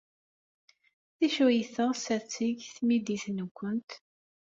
D acu ay teɣs ad t-teg tmidit-nwent?